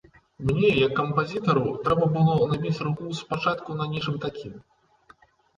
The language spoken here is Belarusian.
Мне, як кампазітару, трэба было набіць руку спачатку на нечым такім.